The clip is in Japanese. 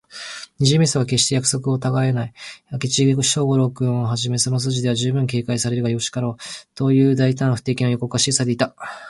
二十面相は、けっして約束をたがえない。明智小五郎君をはじめ、その筋では、じゅうぶん警戒されるがよろしかろう、という大胆不敵の予告が記されていた。